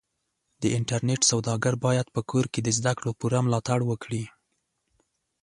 د انټرنېټ سوداګر بايد په کور کې د زدهکړو پوره ملاتړ وکړي.